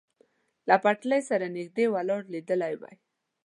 له پټلۍ سره نږدې ولاړ لیدلی وای.